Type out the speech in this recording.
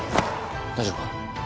大丈夫か？